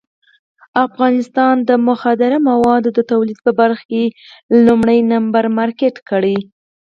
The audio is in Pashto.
افغانستان یې د مخدره موادو د تولید په برخه کې لومړی نمبر مارکېټ کړی.